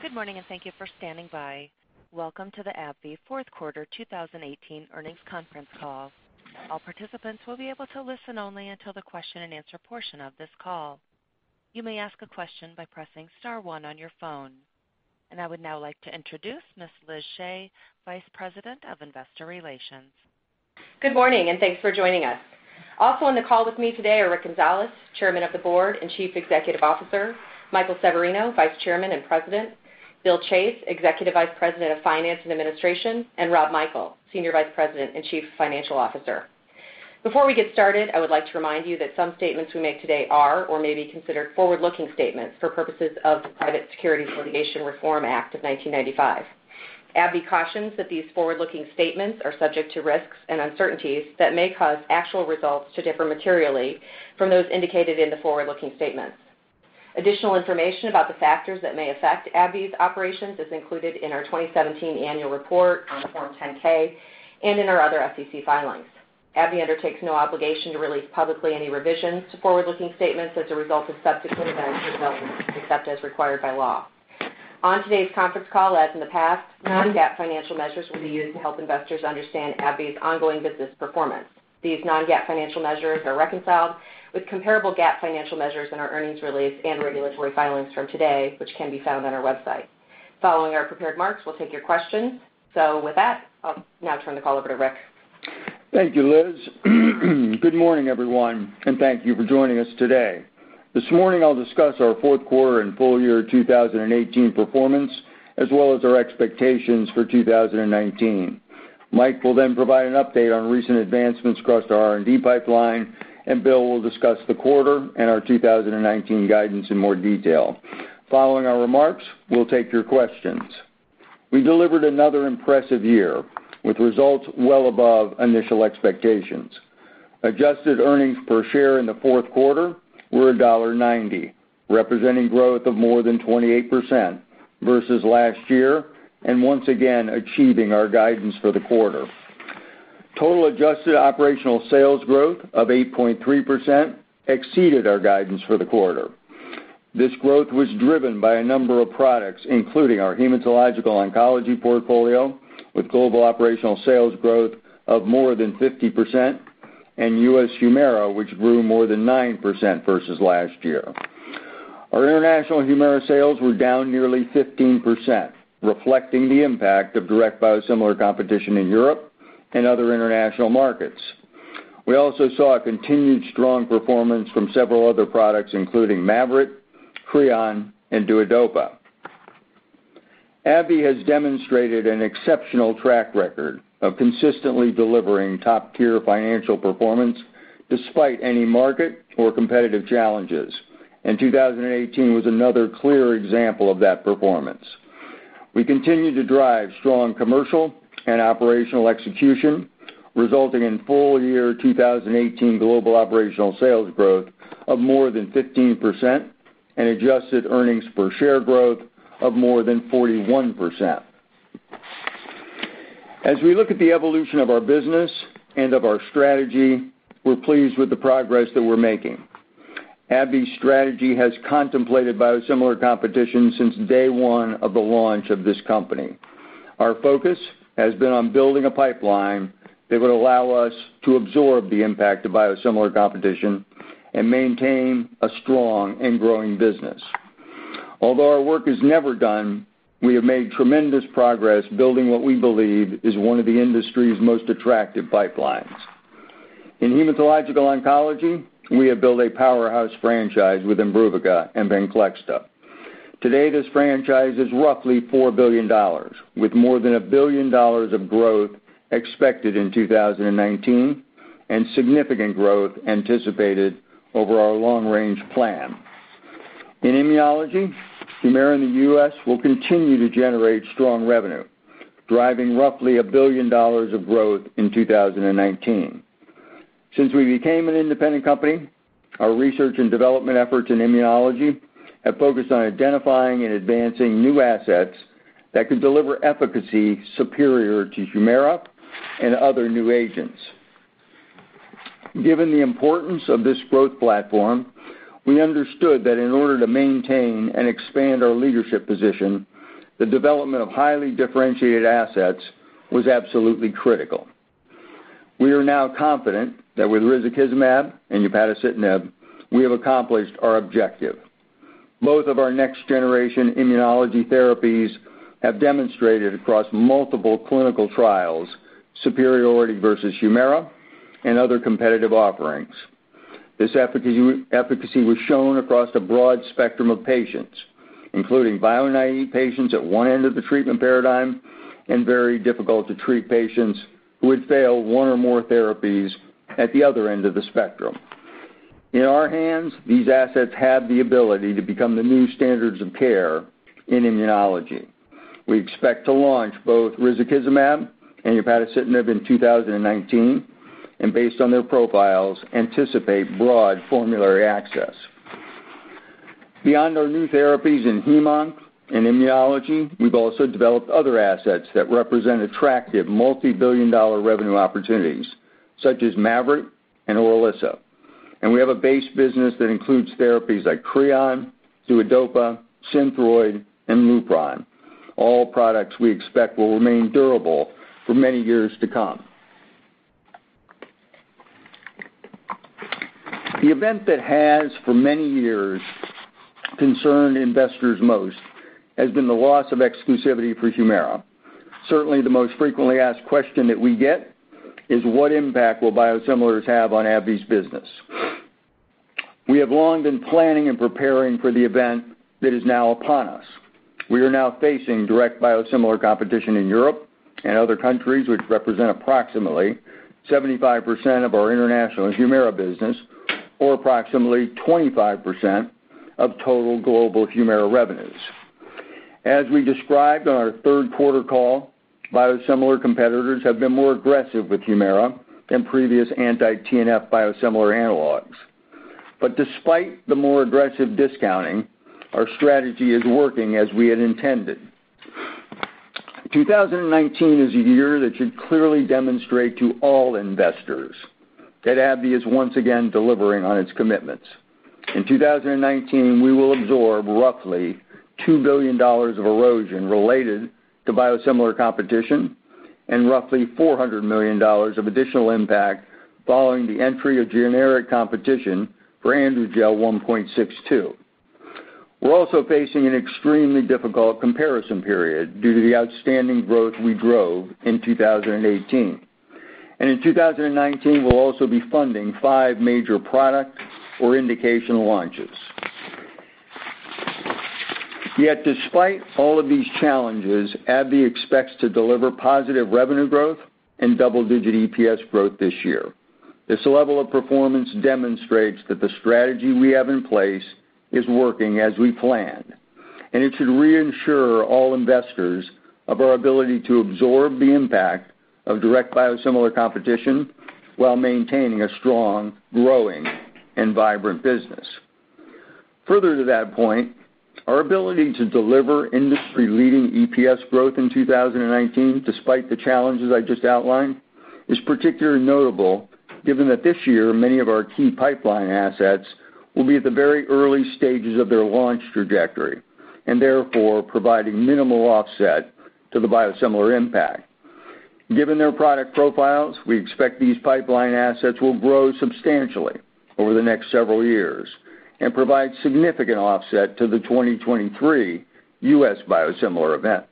Good morning, and thank you for standing by. Welcome to the AbbVie Fourth Quarter 2018 Earnings Conference Call. All participants will be able to listen only until the question-and-answer portion of this call. You may ask a question by pressing star one on your phone. I would now like to introduce Ms. Elizabeth Shea, Vice President of Investor Relations. Good morning, and thanks for joining us. Also on the call with me today are Richard Gonzalez, Chairman of the Board and Chief Executive Officer, Michael Severino, Vice Chairman and President, William Chase, Executive Vice President of Finance and Administration, and Robert Michael, Senior Vice President and Chief Financial Officer. Before we get started, I would like to remind you that some statements we make today are or may be considered forward-looking statements for purposes of the Private Securities Litigation Reform Act of 1995. AbbVie cautions that these forward-looking statements are subject to risks and uncertainties that may cause actual results to differ materially from those indicated in the forward-looking statements. Additional information about the factors that may affect AbbVie's operations is included in our 2017 annual report on Form 10-K and in our other SEC filings. AbbVie undertakes no obligation to release publicly any revisions to forward-looking statements as a result of subsequent events or developments, except as required by law. On today's conference call, as in the past, non-GAAP financial measures will be used to help investors understand AbbVie's ongoing business performance. These non-GAAP financial measures are reconciled with comparable GAAP financial measures in our earnings release and regulatory filings from today, which can be found on our website. Following our prepared remarks, we'll take your questions. With that, I'll now turn the call over to Rick. Thank you, Liz. Good morning, everyone, and thank you for joining us today. This morning I'll discuss our fourth quarter and full-year 2018 performance, as well as our expectations for 2019. Mike will then provide an update on recent advancements across our R&D pipeline, and Will will discuss the quarter and our 2019 guidance in more detail. Following our remarks, we'll take your questions. We delivered another impressive year, with results well above initial expectations. Adjusted earnings per share in the fourth quarter were $1.90, representing growth of more than 28% versus last year, and once again achieving our guidance for the quarter. Total adjusted operational sales growth of 8.3% exceeded our guidance for the quarter. This growth was driven by a number of products, including our hematological oncology portfolio, with global operational sales growth of more than 50%, and U.S. Humira, which grew more than 9% versus last year. Our international Humira sales were down nearly 15%, reflecting the impact of direct biosimilar competition in Europe and other international markets. We also saw a continued strong performance from several other products, including MAVYRET, CREON, and DUODOPA. AbbVie has demonstrated an exceptional track record of consistently delivering top-tier financial performance despite any market or competitive challenges, and 2018 was another clear example of that performance. We continue to drive strong commercial and operational execution, resulting in full-year 2018 global operational sales growth of more than 15% and adjusted earnings per share growth of more than 41%. As we look at the evolution of our business and of our strategy, we're pleased with the progress that we're making. AbbVie's strategy has contemplated biosimilar competition since day one of the launch of this company. Our focus has been on building a pipeline that would allow us to absorb the impact of biosimilar competition and maintain a strong and growing business. Although our work is never done, we have made tremendous progress building what we believe is one of the industry's most attractive pipelines. In hematological oncology, we have built a powerhouse franchise with IMBRUVICA and VENCLEXTA. Today, this franchise is roughly $4 billion, with more than $1 billion of growth expected in 2019 and significant growth anticipated over our long-range plan. In immunology, Humira in the U.S. will continue to generate strong revenue, driving roughly $1 billion of growth in 2019. Since we became an independent company, our research and development efforts in immunology have focused on identifying and advancing new assets that could deliver efficacy superior to Humira and other new agents. Given the importance of this growth platform, we understood that in order to maintain and expand our leadership position, the development of highly differentiated assets was absolutely critical. We are now confident that with risankizumab and upadacitinib, we have accomplished our objective. Both of our next-generation immunology therapies have demonstrated across multiple clinical trials superiority versus Humira and other competitive offerings. This efficacy was shown across a broad spectrum of patients, including bio-naive patients at one end of the treatment paradigm and very difficult to treat patients who had failed one or more therapies at the other end of the spectrum. In our hands, these assets have the ability to become the new standards of care in immunology. We expect to launch both risankizumab and upadacitinib in 2019, and based on their profiles, anticipate broad formulary access. Beyond our new therapies in Hem-Onc and immunology, we've also developed other assets that represent attractive multi-billion dollar revenue opportunities, such as MAVYRET and ORILISSA. We have a base business that includes therapies like CREON, DUODOPA, SYNTHROID, and LUPRON. All products we expect will remain durable for many years to come. The event that has, for many years, concerned investors most has been the loss of exclusivity for Humira. Certainly, the most frequently asked question that we get is what impact will biosimilars have on AbbVie's business. We have long been planning and preparing for the event that is now upon us. We are now facing direct biosimilar competition in Europe and other countries, which represent approximately 75% of our international Humira business or approximately 25% of total global Humira revenues. As we described on our third quarter call, biosimilar competitors have been more aggressive with Humira than previous anti-TNF biosimilar analogs. Despite the more aggressive discounting, our strategy is working as we had intended. 2019 is a year that should clearly demonstrate to all investors that AbbVie is once again delivering on its commitments. In 2019, we will absorb roughly $2 billion of erosion related to biosimilar competition and roughly $400 million of additional impact following the entry of generic competition for AndroGel 1.62%. We're also facing an extremely difficult comparison period due to the outstanding growth we drove in 2018. In 2019, we'll also be funding five major product or indication launches. Yet despite all of these challenges, AbbVie expects to deliver positive revenue growth and double-digit EPS growth this year. This level of performance demonstrates that the strategy we have in place is working as we planned. It should reassure all investors of our ability to absorb the impact of direct biosimilar competition while maintaining a strong, growing, and vibrant business. Further to that point, our ability to deliver industry-leading EPS growth in 2019, despite the challenges I just outlined, is particularly notable given that this year many of our key pipeline assets will be at the very early stages of their launch trajectory, and therefore providing minimal offset to the biosimilar impact. Given their product profiles, we expect these pipeline assets will grow substantially over the next several years and provide significant offset to the 2023 U.S. biosimilar event.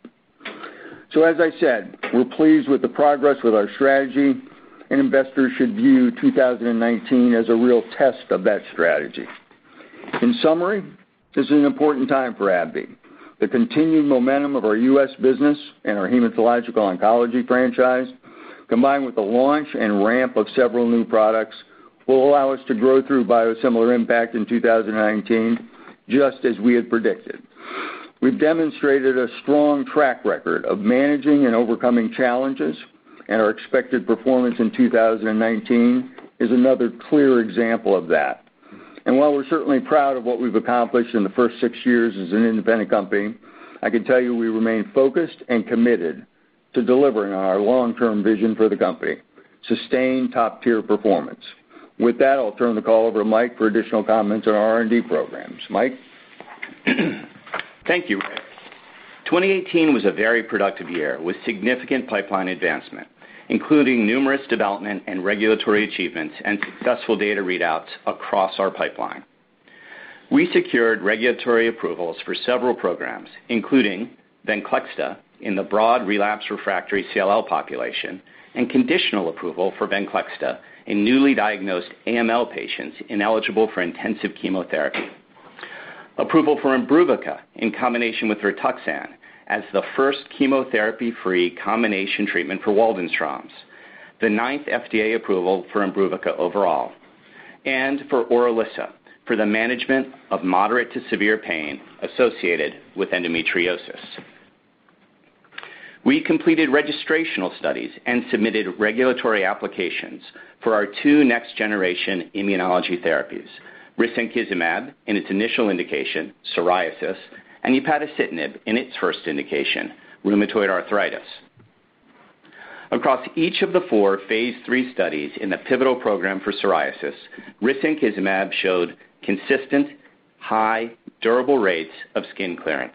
As I said, we're pleased with the progress with our strategy, and investors should view 2019 as a real test of that strategy. In summary, this is an important time for AbbVie. The continued momentum of our U.S. business and our hematological oncology franchise, combined with the launch and ramp of several new products, will allow us to grow through biosimilar impact in 2019, just as we had predicted. We've demonstrated a strong track record of managing and overcoming challenges. Our expected performance in 2019 is another clear example of that. While we're certainly proud of what we've accomplished in the first six years as an independent company, I can tell you we remain focused and committed to delivering on our long-term vision for the company, sustained top-tier performance. With that, I'll turn the call over to Mike for additional comments on our R&D programs. Mike? Thank you, Rick. 2018 was a very productive year with significant pipeline advancement, including numerous development and regulatory achievements and successful data readouts across our pipeline. We secured regulatory approvals for several programs, including VENCLEXTA in the broad relapse refractory CLL population and conditional approval for VENCLEXTA in newly diagnosed AML patients ineligible for intensive chemotherapy. Approval for IMBRUVICA in combination with RITUXAN as the first chemotherapy-free combination treatment for Waldenstrom's, the ninth FDA approval for IMBRUVICA overall, and for ORILISSA for the management of moderate to severe pain associated with endometriosis. We completed registrational studies and submitted regulatory applications for our two next-generation immunology therapies, risankizumab in its initial indication, psoriasis, and upadacitinib in its first indication, rheumatoid arthritis. Across each of the four phase III studies in the pivotal program for psoriasis, risankizumab showed consistent, high durable rates of skin clearance.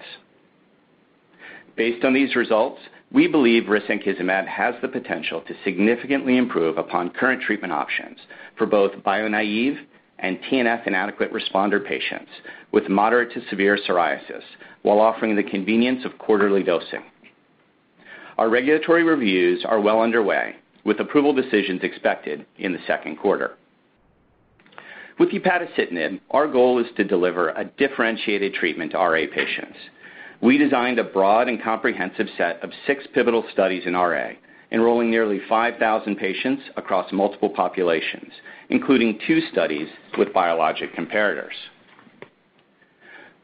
Based on these results, we believe risankizumab has the potential to significantly improve upon current treatment options for both bio-naive and TNF inadequate responder patients with moderate to severe psoriasis while offering the convenience of quarterly dosing. Our regulatory reviews are well underway, with approval decisions expected in the second quarter. With upadacitinib, our goal is to deliver a differentiated treatment to RA patients. We designed a broad and comprehensive set of six pivotal studies in RA, enrolling nearly 5,000 patients across multiple populations, including two studies with biologic comparators.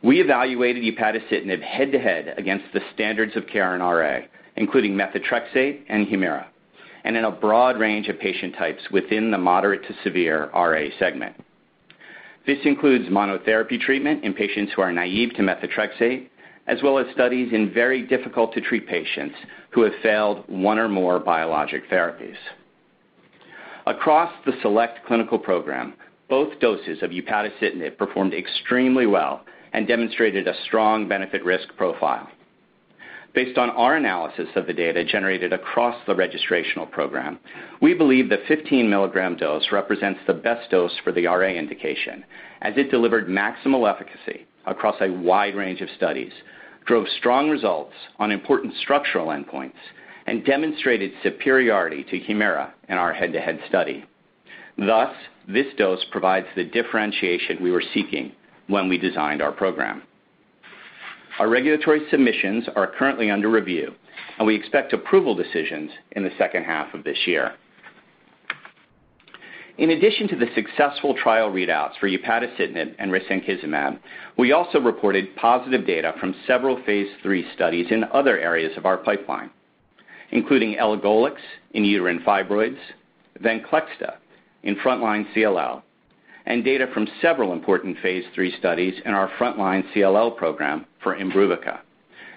We evaluated upadacitinib head-to-head against the standards of care in RA, including methotrexate and Humira, and in a broad range of patient types within the moderate to severe RA segment. This includes monotherapy treatment in patients who are naive to methotrexate, as well as studies in very difficult to treat patients who have failed one or more biologic therapies. Across the select clinical program, both doses of upadacitinib performed extremely well and demonstrated a strong benefit-risk profile. Based on our analysis of the data generated across the registrational program, we believe the 15 mg dose represents the best dose for the RA indication, as it delivered maximal efficacy across a wide range of studies, drove strong results on important structural endpoints, and demonstrated superiority to Humira in our head-to-head study. This dose provides the differentiation we were seeking when we designed our program. Our regulatory submissions are currently under review, and we expect approval decisions in the second half of this year. In addition to the successful trial readouts for upadacitinib and risankizumab, we also reported positive data from several phase III studies in other areas of our pipeline, including elagolix in uterine fibroids, VENCLEXTA in frontline CLL, and data from several important phase III studies in our frontline CLL program for IMBRUVICA,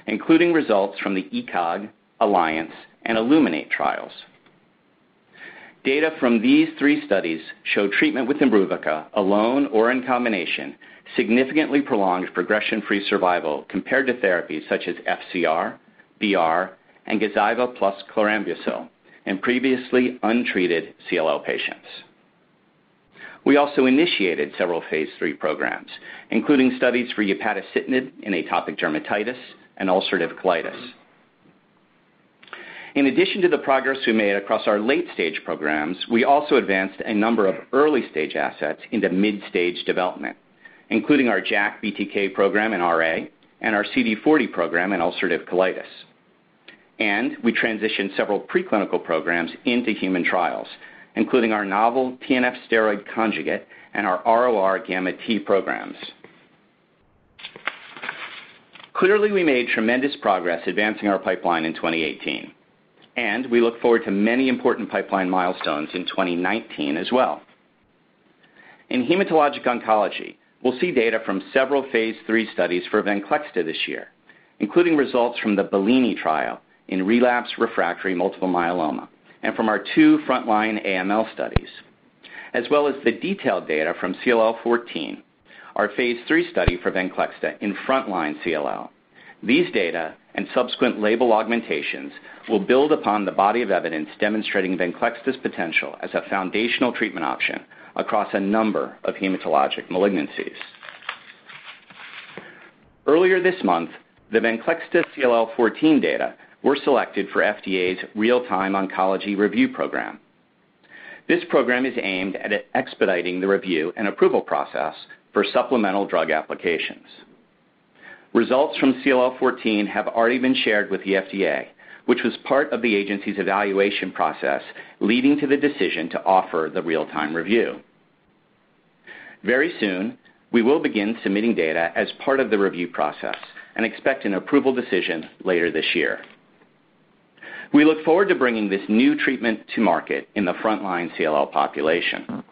including results from the ECOG, ALLIANCE, and iLLUMINATE trials. Data from these three studies show treatment with IMBRUVICA alone or in combination significantly prolonged progression-free survival compared to therapies such as FCR, BR, and GAZYVA plus chlorambucil in previously untreated CLL patients. We also initiated several phase III programs, including studies for upadacitinib in atopic dermatitis and ulcerative colitis. In addition to the progress we made across our late-stage programs, we also advanced a number of early-stage assets into mid-stage development, including our JAK-BTK program in RA and our CD40 program in ulcerative colitis. We transitioned several pre-clinical programs into human trials, including our novel TNF steroid conjugate and our ROR gamma T programs. Clearly, we made tremendous progress advancing our pipeline in 2018, and we look forward to many important pipeline milestones in 2019 as well. In hematologic oncology, we'll see data from several phase III studies for VENCLEXTA this year, including results from the BELLINI trial in relapse refractory multiple myeloma and from our two frontline AML studies, as well as the detailed data from CLL14, our phase III study for VENCLEXTA in frontline CLL. These data and subsequent label augmentations will build upon the body of evidence demonstrating VENCLEXTA's potential as a foundational treatment option across a number of hematologic malignancies. Earlier this month, the VENCLEXTA CLL14 data were selected for FDA's Real-Time Oncology Review Program. This program is aimed at expediting the review and approval process for supplemental drug applications. Results from CLL14 have already been shared with the FDA, which was part of the agency's evaluation process, leading to the decision to offer the real-time review. Very soon, we will begin submitting data as part of the review process and expect an approval decision later this year. We look forward to bringing this new treatment to market in the frontline CLL population.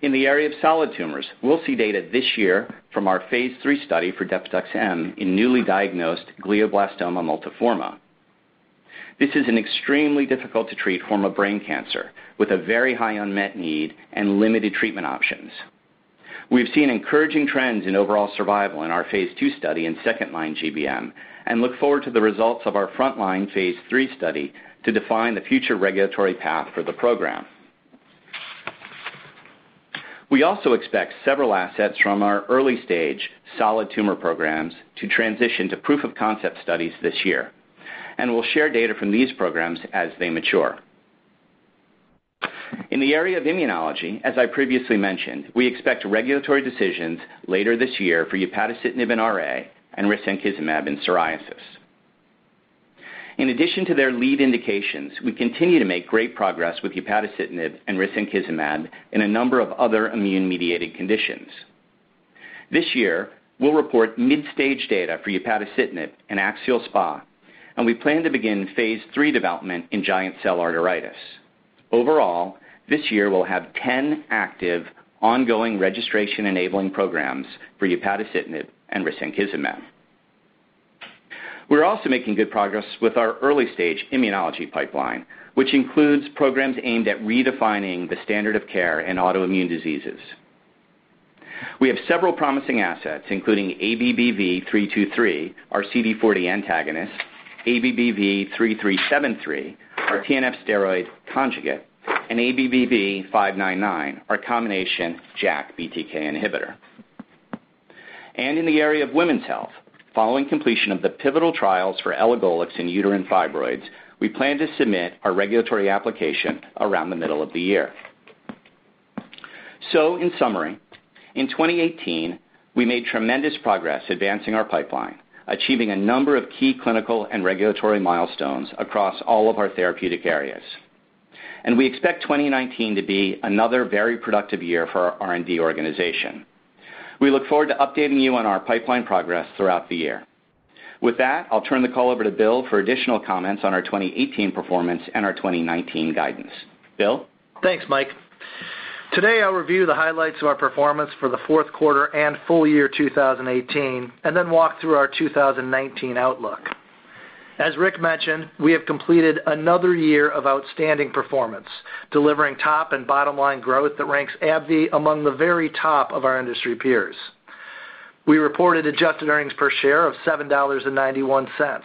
In the area of solid tumors, we'll see data this year from our phase III study for Depatux-M in newly diagnosed glioblastoma multiforme. This is an extremely difficult to treat form of brain cancer with a very high unmet need and limited treatment options. We've seen encouraging trends in overall survival in our phase II study in second line GBM and look forward to the results of our frontline phase III study to define the future regulatory path for the program. We also expect several assets from our early-stage solid tumor programs to transition to proof of concept studies this year. We'll share data from these programs as they mature. In the area of immunology, as I previously mentioned, we expect regulatory decisions later this year for upadacitinib in RA and risankizumab in psoriasis. In addition to their lead indications, we continue to make great progress with upadacitinib and risankizumab in a number of other immune-mediated conditions. This year, we'll report mid-stage data for upadacitinib in axial SpA. We plan to begin phase III development in giant cell arteritis. Overall, this year we'll have 10 active ongoing registration enabling programs for upadacitinib and risankizumab. We're also making good progress with our early-stage immunology pipeline, which includes programs aimed at redefining the standard of care in autoimmune diseases. We have several promising assets, including ABBV-323, our CD40 antagonist, ABBV-3373, our TNF steroid conjugate, and ABBV-599, our combination JAK-BTK inhibitor. In the area of women's health, following completion of the pivotal trials for elagolix in uterine fibroids, we plan to submit our regulatory application around the middle of the year. In summary, in 2018, we made tremendous progress advancing our pipeline, achieving a number of key clinical and regulatory milestones across all of our therapeutic areas. We expect 2019 to be another very productive year for our R&D organization. We look forward to updating you on our pipeline progress throughout the year. With that, I'll turn the call over to Will for additional comments on our 2018 performance and our 2019 guidance. Will? Thanks, Mike. Today I'll review the highlights of our performance for the fourth quarter and full-year 2018, walk through our 2019 outlook. As Rick mentioned, we have completed another year of outstanding performance, delivering top and bottom line growth that ranks AbbVie among the very top of our industry peers. We reported adjusted earnings per share of $7.91,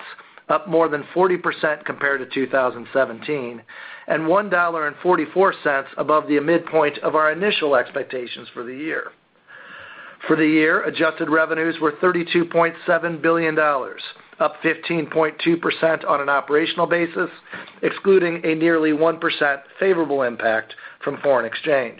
up more than 40% compared to 2017, and $1.44 above the midpoint of our initial expectations for the year. For the year, adjusted revenues were $32.7 billion, up 15.2% on an operational basis, excluding a nearly 1% favorable impact from foreign exchange.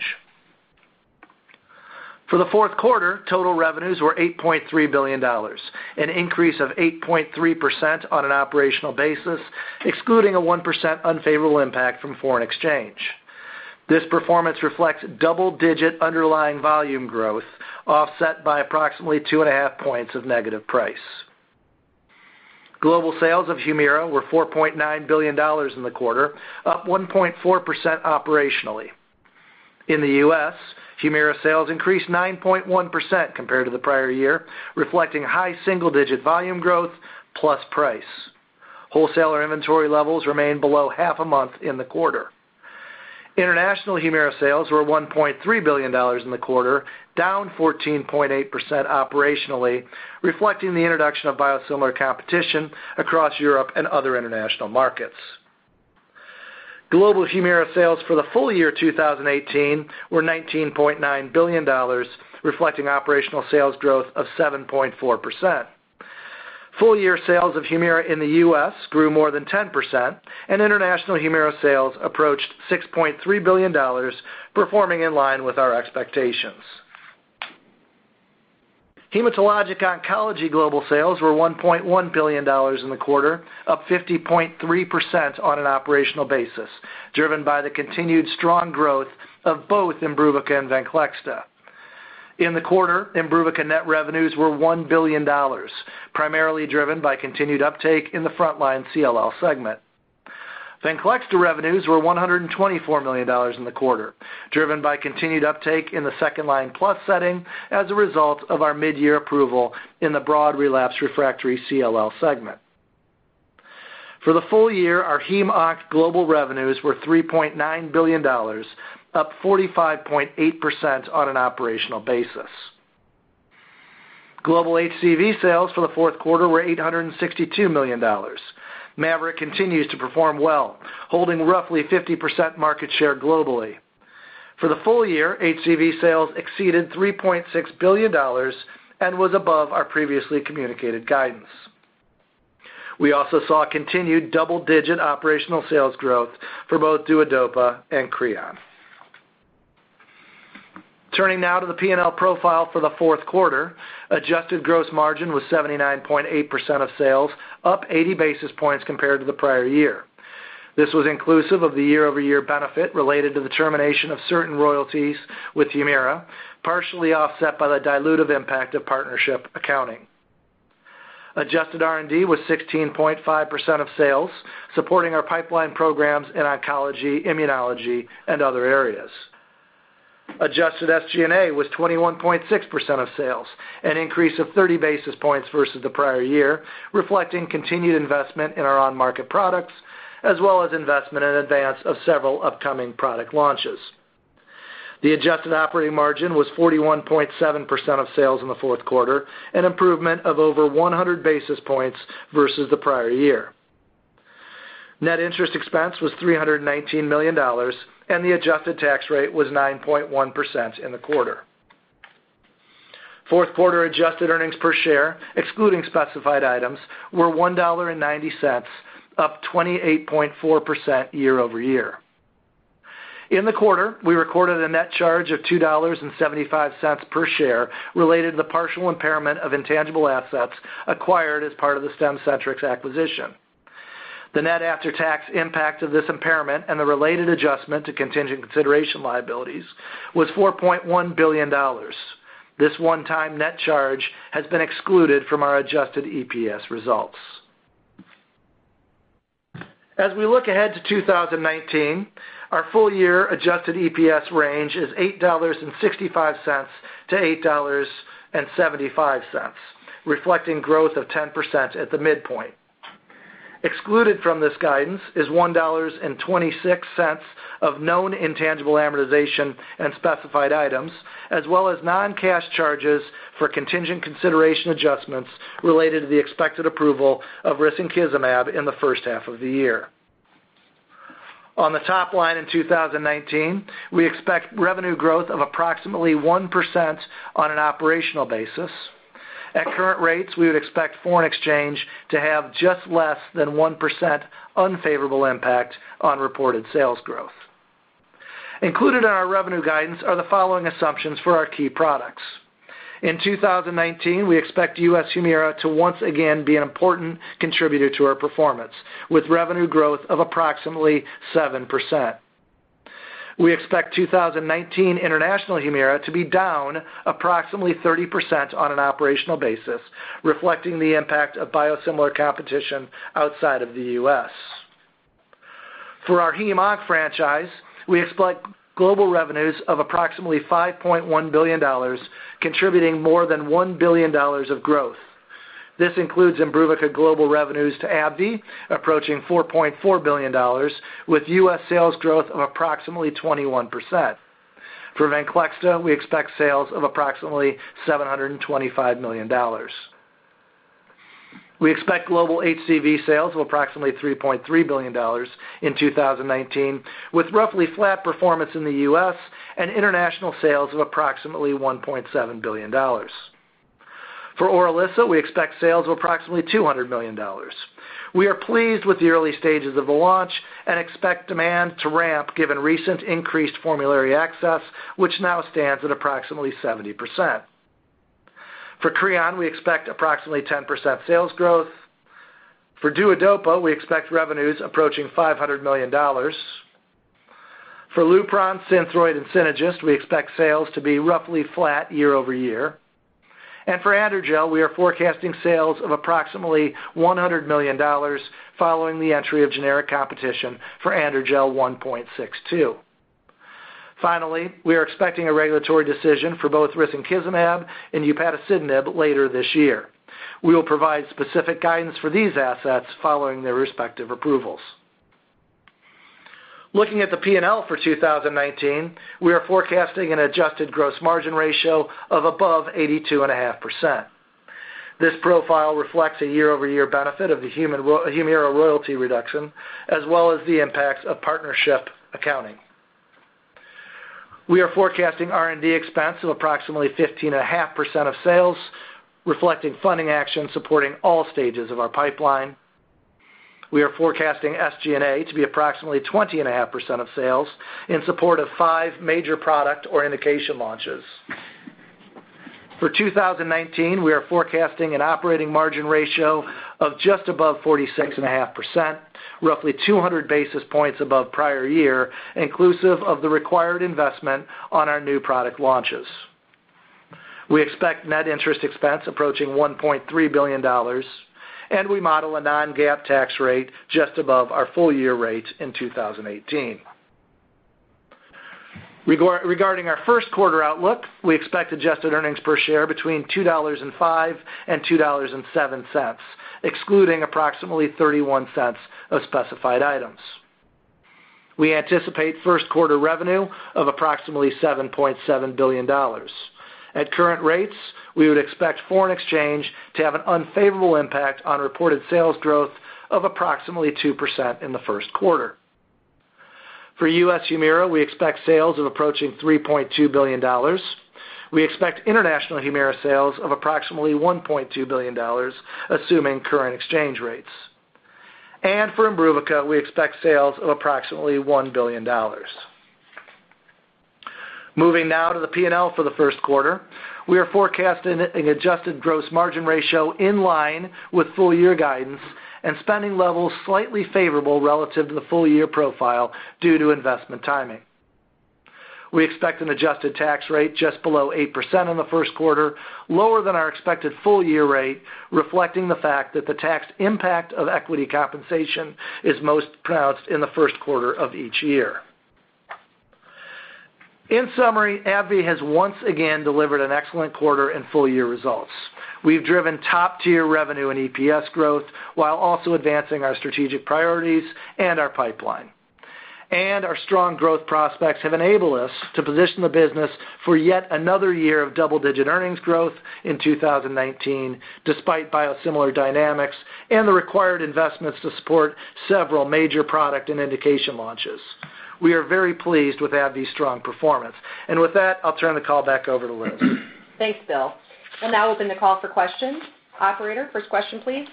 For the fourth quarter, total revenues were $8.3 billion, an increase of 8.3% on an operational basis, excluding a 1% unfavorable impact from foreign exchange. This performance reflects double-digit underlying volume growth, offset by approximately two and a half points of negative price. Global sales of Humira were $4.9 billion in the quarter, up 1.4% operationally. In the U.S., Humira sales increased 9.1% compared to the prior year, reflecting high single-digit volume growth plus price. Wholesaler inventory levels remained below half a month in the quarter. International Humira sales were $1.3 billion in the quarter, down 14.8% operationally, reflecting the introduction of biosimilar competition across Europe and other international markets. Global Humira sales for the full-year 2018 were $19.9 billion, reflecting operational sales growth of 7.4%. Full-year sales of Humira in the U.S. grew more than 10%, international Humira sales approached $6.3 billion, performing in line with our expectations. Hematologic oncology global sales were $1.1 billion in the quarter, up 50.3% on an operational basis, driven by the continued strong growth of both IMBRUVICA and VENCLEXTA. In the quarter, IMBRUVICA net revenues were $1 billion, primarily driven by continued uptake in the frontline CLL segment. VENCLEXTA revenues were $124 million in the quarter, driven by continued uptake in the second-line plus setting as a result of our midyear approval in the broad relapsed refractory CLL segment. For the full-year, our Hem-Onc global revenues were $3.9 billion, up 45.8% on an operational basis. Global HCV sales for the fourth quarter were $862 million. MAVYRET continues to perform well, holding roughly 50% market share globally. For the full-year, HCV sales exceeded $3.6 billion and was above our previously communicated guidance. We also saw continued double-digit operational sales growth for both DUODOPA and CREON. Turning now to the P&L profile for the fourth quarter, adjusted gross margin was 79.8% of sales, up 80 basis points compared to the prior year. This was inclusive of the year-over-year benefit related to the termination of certain royalties with Humira, partially offset by the dilutive impact of partnership accounting. Adjusted R&D was 16.5% of sales, supporting our pipeline programs in oncology, immunology, and other areas. Adjusted SG&A was 21.6% of sales, an increase of 30 basis points versus the prior year, reflecting continued investment in our on-market products, as well as investment in advance of several upcoming product launches. The adjusted operating margin was 41.7% of sales in the fourth quarter, an improvement of over 100 basis points versus the prior year. Net interest expense was $319 million, the adjusted tax rate was 9.1% in the quarter. Fourth quarter adjusted earnings per share, excluding specified items, were $1.90, up 28.4% year-over-year. In the quarter, we recorded a net charge of $2.75 per share related to the partial impairment of intangible assets acquired as part of the Stemcentrx acquisition. The net after-tax impact of this impairment and the related adjustment to contingent consideration liabilities was $4.1 billion. This one-time net charge has been excluded from our adjusted EPS results. As we look ahead to 2019, our full-year adjusted EPS range is $8.65-8.75, reflecting growth of 10% at the midpoint. Excluded from this guidance is $1.26 of known intangible amortization and specified items, as well as non-cash charges for contingent consideration adjustments related to the expected approval of risankizumab in the first half of the year. On the top line in 2019, we expect revenue growth of approximately 1% on an operational basis. At current rates, we would expect foreign exchange to have just less than 1% unfavorable impact on reported sales growth. Included in our revenue guidance are the following assumptions for our key products. In 2019, we expect U.S. Humira to once again be an important contributor to our performance, with revenue growth of approximately 7%. We expect 2019 international Humira to be down approximately 30% on an operational basis, reflecting the impact of biosimilar competition outside of the U.S. For our Hem-Onc franchise, we expect global revenues of approximately $5.1 billion, contributing more than $1 billion of growth. This includes IMBRUVICA global revenues to AbbVie approaching $4.4 billion, with U.S. sales growth of approximately 21%. For VENCLEXTA, we expect sales of approximately $725 million. We expect global HCV sales of approximately $3.3 billion in 2019, with roughly flat performance in the U.S., and international sales of approximately $1.7 billion. For ORILISSA, we expect sales of approximately $200 million. We are pleased with the early stages of the launch and expect demand to ramp given recent increased formulary access, which now stands at approximately 70%. For CREON, we expect approximately 10% sales growth. For DUODOPA, we expect revenues approaching $500 million. For LUPRON, SYNTHROID, and SYNAGIS, we expect sales to be roughly flat year-over-year. For AndroGel, we are forecasting sales of approximately $100 million following the entry of generic competition for AndroGel 1.62%. We are expecting a regulatory decision for both risankizumab and upadacitinib later this year. We will provide specific guidance for these assets following their respective approvals. Looking at the P&L for 2019, we are forecasting an adjusted gross margin ratio of above 82.5%. This profile reflects a year-over-year benefit of the Humira royalty reduction, as well as the impacts of partnership accounting. We are forecasting R&D expense of approximately 15.5% of sales, reflecting funding actions supporting all stages of our pipeline. We are forecasting SG&A to be approximately 20.5% of sales in support of five major product or indication launches. For 2019, we are forecasting an operating margin ratio of just above 46.5%, roughly 200 basis points above prior year, inclusive of the required investment on our new product launches. We expect net interest expense approaching $1.3 billion, and we model a non-GAAP tax rate just above our full-year rate in 2018. Regarding our first quarter outlook, we expect adjusted earnings per share between $2.05 and $2.07, excluding approximately $0.31 of specified items. We anticipate first quarter revenue of approximately $7.7 billion. At current rates, we would expect foreign exchange to have an unfavorable impact on reported sales growth of approximately 2% in the first quarter. For U.S. Humira, we expect sales of approaching $3.2 billion. We expect international Humira sales of approximately $1.2 billion, assuming current exchange rates. For IMBRUVICA, we expect sales of approximately $1 billion. Moving now to the P&L for the first quarter, we are forecasting an adjusted gross margin ratio in line with full-year guidance and spending levels slightly favorable relative to the full-year profile due to investment timing. We expect an adjusted tax rate just below 8% in the first quarter, lower than our expected full-year rate, reflecting the fact that the tax impact of equity compensation is most pronounced in the first quarter of each year. In summary, AbbVie has once again delivered an excellent quarter in full-year results. We've driven top-tier revenue and EPS growth while also advancing our strategic priorities and our pipeline. Our strong growth prospects have enabled us to position the business for yet another year of double-digit earnings growth in 2019, despite biosimilar dynamics and the required investments to support several major product and indication launches. We are very pleased with AbbVie's strong performance. With that, I'll turn the call back over to Liz. Thanks, Will. We'll now open the call for questions. Operator, first question, please.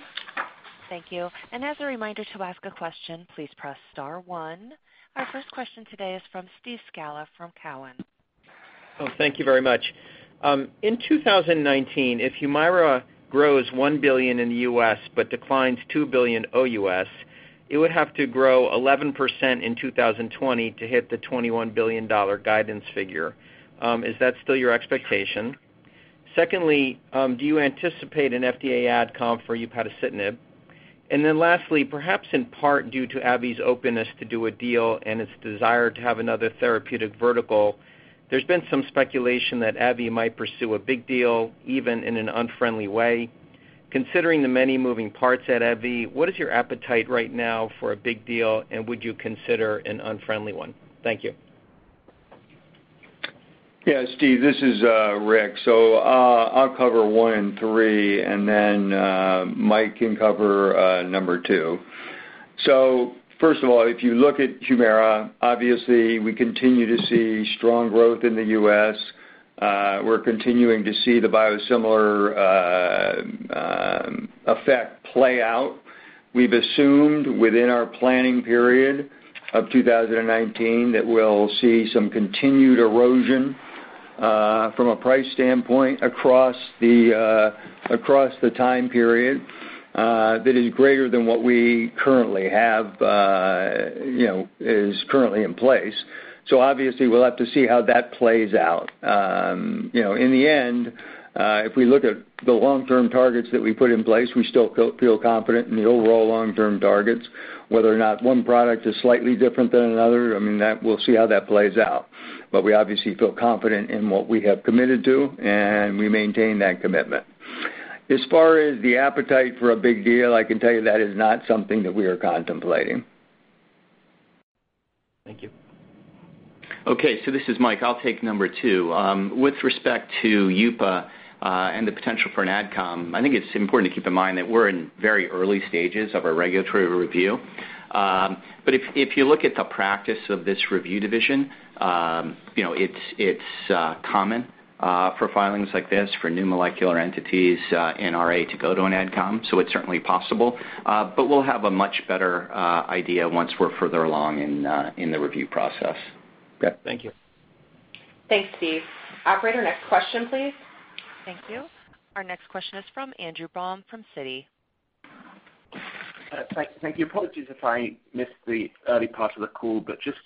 Thank you. As a reminder, to ask a question, please press star one. Our first question today is from Steve Scala from Cowen. Thank you very much. In 2019, if Humira grows $1 billion in the U.S. but declines $2 billion OUS, it would have to grow 11% in 2020 to hit the $21 billion guidance figure. Is that still your expectation? Do you anticipate an FDA adcom for upadacitinib? Lastly, perhaps in part due to AbbVie's openness to do a deal and its desire to have another therapeutic vertical, there's been some speculation that AbbVie might pursue a big deal, even in an unfriendly way. Considering the many moving parts at AbbVie, what is your appetite right now for a big deal, and would you consider an unfriendly one? Thank you. Steve, this is Rick. I'll cover one and three, Mike can cover number two. First of all, if you look at Humira, obviously we continue to see strong growth in the U.S. We're continuing to see the biosimilar effect play out. We've assumed within our planning period of 2019 that we'll see some continued erosion From a price standpoint across the time period that is greater than what we currently have is currently in place. Obviously we'll have to see how that plays out. In the end, if we look at the long-term targets that we put in place, we still feel confident in the overall long-term targets. Whether or not one product is slightly different than another, we'll see how that plays out. We obviously feel confident in what we have committed to, and we maintain that commitment. As far as the appetite for a big deal, I can tell you that is not something that we are contemplating. Thank you. This is Mike. I'll take number two. With respect to upadacitinib and the potential for an adcom, I think it's important to keep in mind that we're in very early stages of a regulatory review. If you look at the practice of this review division, it's common for filings like this, for new molecular entities in RA to go to an adcom, so it's certainly possible. We'll have a much better idea once we're further along in the review process. Thank you. Thanks, Steve. Operator, next question, please. Thank you. Our next question is from Andrew Baum from Citi. Thank you. Apologies if I missed the early part of the call, just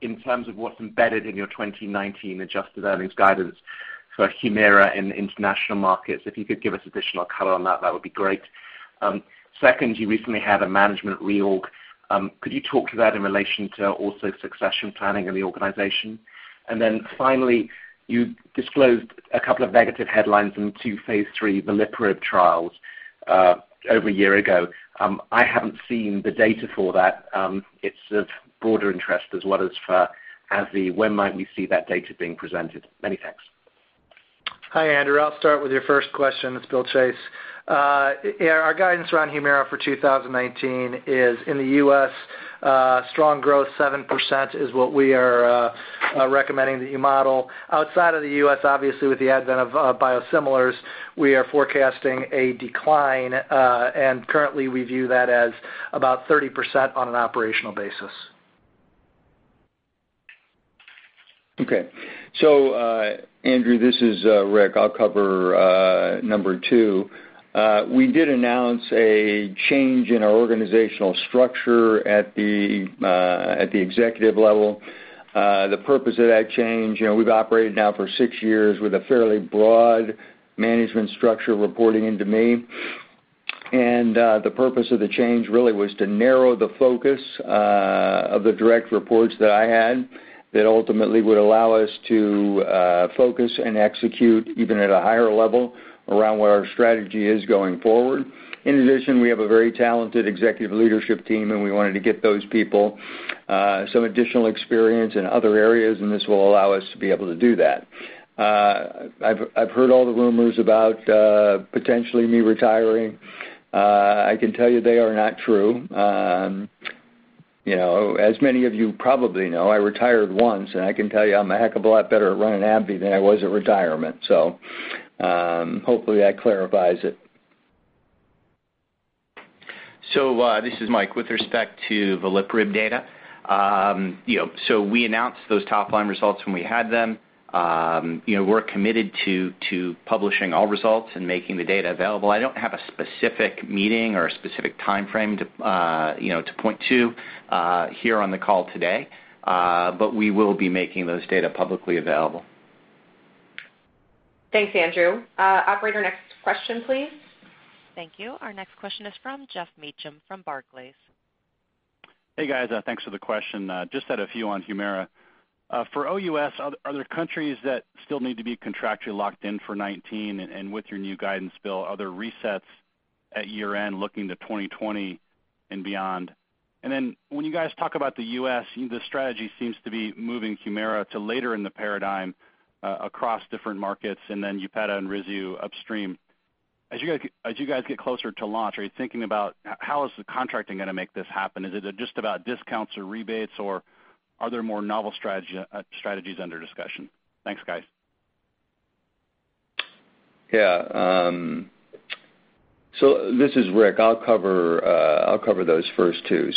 in terms of what's embedded in your 2019 adjusted earnings guidance for Humira in the international markets, if you could give us additional color on that would be great. Second, you recently had a management reorg. Could you talk to that in relation to also succession planning in the organization? Finally, you disclosed a couple of negative headlines in two phase III veliparib trials over a year ago. I haven't seen the data for that. It's of broader interest as well as for AbbVie. When might we see that data being presented? Many thanks. Hi Andrew, I'll start with your first question. Its Will Chase. Our guidance around Humira for 2019 is in the U.S. Strong growth, 7% is what we are recommending that you model. Outside of the U.S., obviously with the Advent of biosimilars, we are forecasting a decline and currently we view that as about 30% on an operational basis. Okay. So, Andrew, this is Rick. I'll cover number two. We did announce a change in our organizational structure at the executive level. The purpose of that change, we've operated now for six years with a fairly broad management structure reporting into me. And the purpose of the change really was to narrow the focus of the direct reports that I had that ultimately would allow us to focus and execute even at a higher level around where our strategy is going forward. In addition, we have a very talented executive leadership team, and we wanted to get those people some additional experience in other areas, and this will allow us to be able to do that. I've heard all the rumors about potentially me retiring. I can tell you they are not true. As many of you probably know, I retired once, and I can tell you I'm a heck of a lot better at running AbbVie than I was at retirement, so hopefully that clarifies it. This is Mike. With respect to veliparib data, we announced those top-line results when we had them. We're committed to publishing all results and making the data available. I don't have a specific meeting or a specific time frame to point to here on the call today, but we will be making those data publicly available. Thanks, Andrew. Operator, next question, please. Thank you. Our next question is from Geoff Meacham from Barclays. Hey, guys. Thanks for the question. Just had a few on Humira. For OUS, are there countries that still need to be contractually locked in for 2019? With your new guidance, Will, are there resets at year-end looking to 2020 and beyond? When you guys talk about the U.S., the strategy seems to be moving Humira to later in the paradigm across different markets, then upadacitinib and risankizumab upstream. As you guys get closer to launch, are you thinking about how is the contracting going to make this happen? Is it just about discounts or rebates, or are there more novel strategies under discussion? Thanks, guys. This is Rick. I will cover those first two.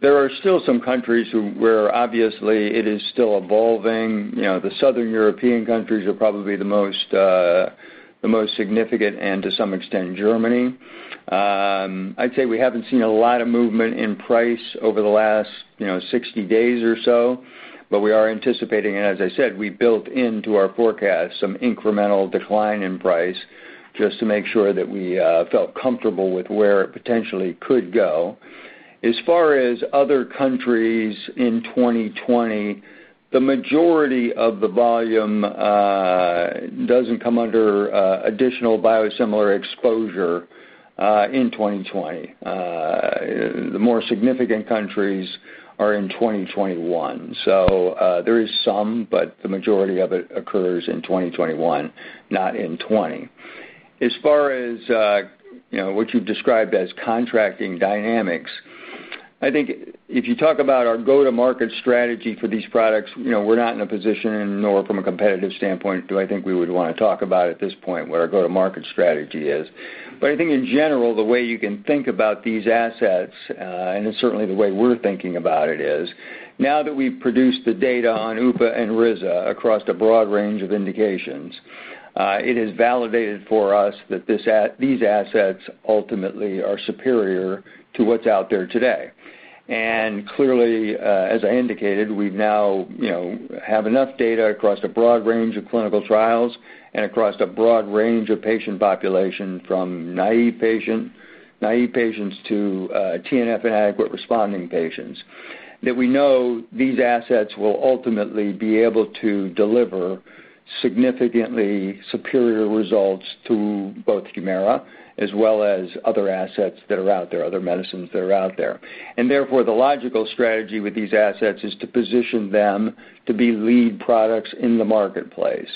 There are still some countries where obviously it is still evolving. The Southern European countries are probably the most significant, and to some extent, Germany. I would say we haven't seen a lot of movement in price over the last 60 days or so, but we are anticipating, and as I said, we built into our forecast some incremental decline in price just to make sure that we felt comfortable with where it potentially could go. As far as other countries in 2020, the majority of the volume doesn't come under additional biosimilar exposure in 2020. The more significant countries are in 2021. There is some, but the majority of it occurs in 2021, not in 2020. As far as what you described as contracting dynamics, I think if you talk about our go-to-market strategy for these products, we're not in a position, nor from a competitive standpoint do I think we would want to talk about at this point what our go-to-market strategy is. I think in general, the way you can think about these assets, and it's certainly the way we're thinking about it is, now that we've produced the data on upadacitinib and risankizumab across a broad range of indications. It has validated for us that these assets ultimately are superior to what's out there today. Clearly, as I indicated, we now have enough data across a broad range of clinical trials and across a broad range of patient population from bio-naive patients to TNF inadequate responding patients, that we know these assets will ultimately be able to deliver significantly superior results to both Humira as well as other assets that are out there, other medicines that are out there. The logical strategy with these assets is to position them to be lead products in the marketplace.